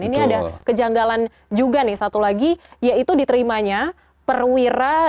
ini ada kejanggalan juga nih satu lagi yaitu diterimanya perwira aktif kepolisian dari polda jatim sebagai penasihat hukum